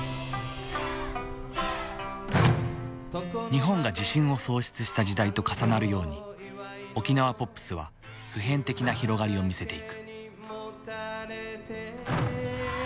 日本が自信を喪失した時代と重なるように沖縄ポップスは普遍的な広がりを見せていく。